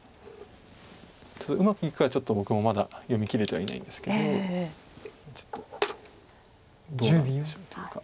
うまくいくかはちょっと僕もまだ読みきれてはいないんですけど。どうなんでしょうというか。